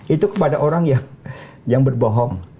itu kepada orang yang berbohong